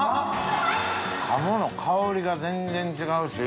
鴨の香りが全然違うし。